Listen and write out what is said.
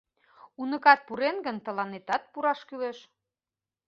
Уныкат пурен гын, тыланетат пураш кӱлеш...